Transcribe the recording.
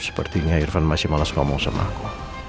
sepertinya irfan masih males ngomong sama aku